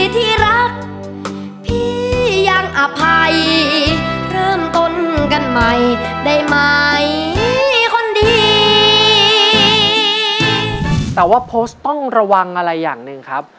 แต่ว่าโพสต์ต้องระวังอะไรอย่างหนึ่งครับ